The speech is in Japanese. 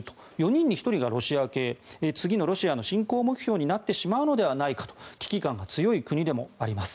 ４人に１人がロシア系次のロシアの侵攻目標になってしまうのではないかと危機感が強い国でもあります。